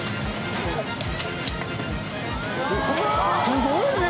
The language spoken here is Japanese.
「すごいね！